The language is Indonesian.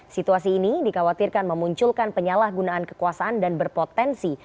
situasi ini dikhawatirkan memunculkan penyalahgunaan kekuasaan dan berpotensi